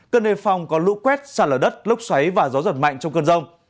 cần đề phòng có lũ quét sạt lở đất lốc xoáy và gió giật mạnh trong cơn rông